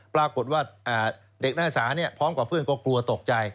ปรากฏว่าเด็กนักศึกษาพร้อมกับเพื่อนก็กลัวตกใจ